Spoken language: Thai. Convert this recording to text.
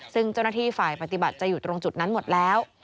ซึ่งเจ้าหน้าที่ฝ่ายปฏิบัติจะอยู่ตรงจุดนั้นหมดแล้ว